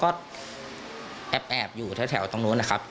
เขาเห็นคนเขาก็แอบอยู่แถวตรงนู้นนะครับ